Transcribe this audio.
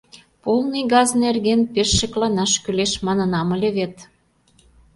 — Полный газ нерген пеш шекланаш кӱлеш манынам ыле вет.